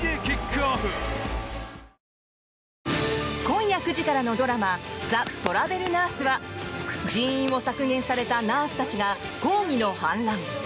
今夜９時からのドラマ「ザ・トラベルナース」は人員を削減されたナースたちが抗議の反乱。